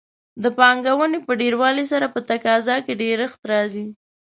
د پانګونې په ډېروالي سره په تقاضا کې ډېرښت راځي.